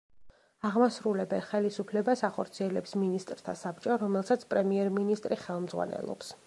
აღმასრულებელ ხელისუფლებას ახორციელებს მინისტრთა საბჭო, რომელსაც პრემიერ-მინისტრი ხელმძღვანელობს.